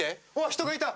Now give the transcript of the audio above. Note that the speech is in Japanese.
人がいた！